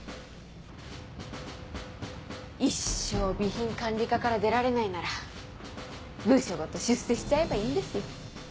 一生備品管理課から出られないなら部署ごと出世しちゃえばいいんです。